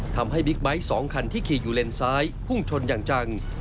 บิ๊กไบท์๒คันที่ขี่อยู่เลนซ้ายพุ่งชนอย่างจัง